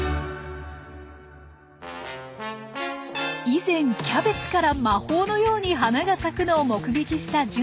以前キャベツから魔法のように花が咲くのを目撃した純さん。